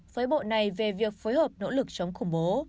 với bộ này về việc phối hợp nỗ lực chống khủng bố